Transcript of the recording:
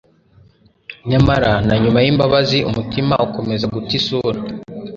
nyamara na nyuma y'imbabazi umutima ukomeza guta isura.